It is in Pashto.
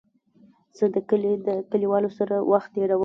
زه د کلي د کليوالو سره وخت تېرووم.